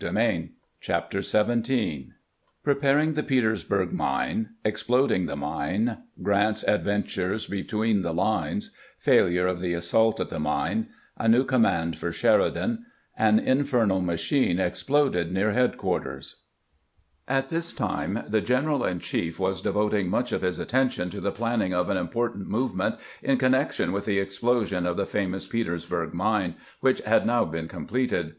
17 CHAPTER XVII PKEPAKING THE PETEKSBTJEG MINE — EXPLODING THE MINE — grant's ADVENTUBE between the LINES — FAILUEE OF THE ASSAULT AT THE MINE — A NEW COMMAND POE SHEEIDAN — AN INFEENAL MACHINE EXPLODED NEAE HEADQUAETEES AT this time the general in chief was devoting much JIjL of his attention to the planning of an important movement in connection with the explosion of the fa mous Petersburg mine, which had now been completed.